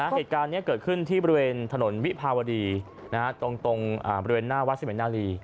เหตุการณ์นี้เกิดขึ้นที่บริเวณถนนวิภาวดีตรงบริเวณหน้าวัดสมัยนาลี